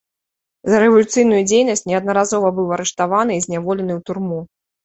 За рэвалюцыйную дзейнасць неаднаразова быў арыштаваны і зняволены ў турму.